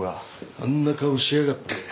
あんな顔しやがって。